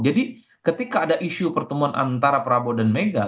jadi ketika ada isu pertemuan antara prabowo dan megal